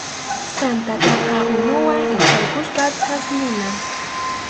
Sansataqa unuwan hichʼaykuspa thasnuna.